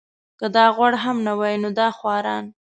که دا غوړ هم نه وای نو دا خواران.